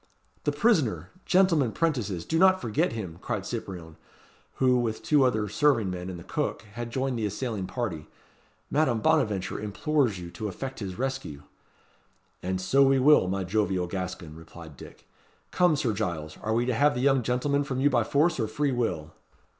"The prisoner! gentlemen 'prentices do not forget him!" cried Cyprien, who, with two other serving men and the cook, had joined the assailing party. "Madame Bonaventure implores you to effect his rescue." "And so we will, my jovial Gascon," replied Dick. "Come, Sir Giles! are we to have the young gentleman from you by force or free will?"